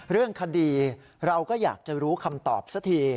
เรื่องคดีเราก็อยากจะรู้คำตอบสักที